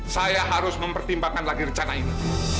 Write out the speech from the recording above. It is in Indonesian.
saya harus mempertimbangkan lagi rencana ini